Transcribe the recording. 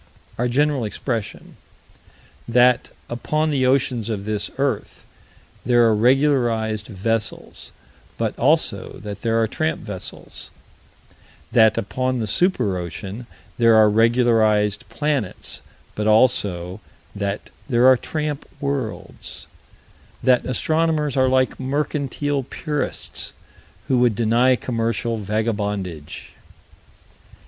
Our general expression: That, upon the oceans of this earth, there are regularized vessels, but also that there are tramp vessels: That, upon the super ocean, there are regularized planets, but also that there are tramp worlds: That astronomers are like mercantile purists who would deny commercial vagabondage.